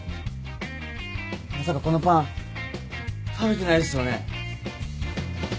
まさかこのパン食べてないですよね？